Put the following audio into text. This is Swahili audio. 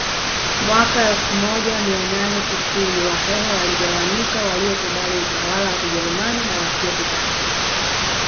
Mwaka elfu moja mia nane tisini wahehe waligawanyika waliokubali utawala wa kijerumani na wasiokubali